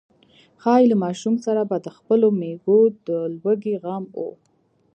ښايي له ماشوم سره به د خپلو مېږو د لوږې غم و.